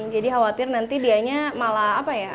jadi khawatir nanti dianya malah apa ya